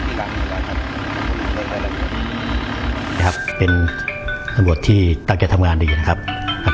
กำหนดซีจากไม่เลยก็เป็นอุบกฏที่ตั้งจบงานดีนะ